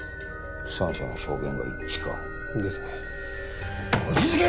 三者の証言が一致かですね望月！